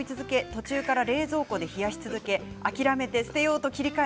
途中から冷蔵庫で冷やし続け諦めて捨てようと切り替え